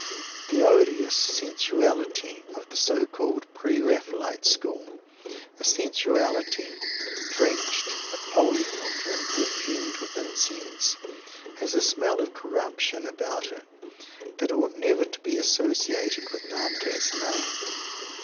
The odious sensuality of the so called "Pre Raphaelite School" a sensuality drenched with holy water and perfumed with incense has a smell of corruption about it that ought never to be associated with Dante's name.